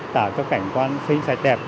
tạo cho cảnh quan sinh sạch đẹp